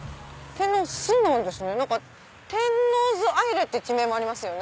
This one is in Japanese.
天王洲アイルって地名ありますね。